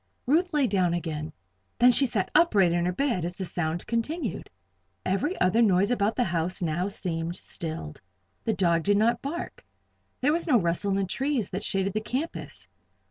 Ruth lay down again; then she sat upright in her bed as the sound continued. Every other noise about the house now seemed stilled. The dog did not bark. There was no rustle in the trees that shaded the campus.